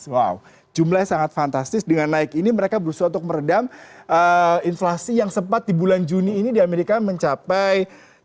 wow jumlah yang sangat fantastis dengan naik ini mereka berusaha untuk meredam inflasi yang sempat di bulan juni ini di amerika mencapai